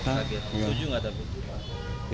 setuju nggak tapi